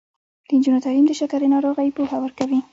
د نجونو تعلیم د شکرې ناروغۍ پوهه ورکوي.